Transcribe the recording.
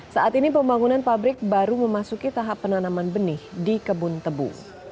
saat ini pembangunan pabrik baru memasuki tahap penanaman benih di kebun tebu